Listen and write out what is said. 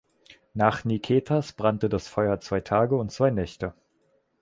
Nach Niketas brannte das Feuer zwei Tage und zwei Nächte.